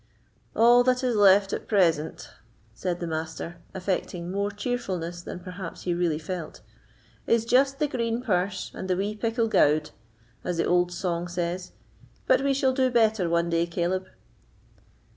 "All that is left at present," said the Master, affecting more cheerfulness than perhaps he really felt, "is just the green purse and the wee pickle gowd, as the old song says; but we shall do better one day, Caleb."